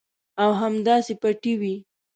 او همداسې پټې وي.